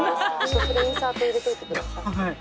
それインサート入れといてください。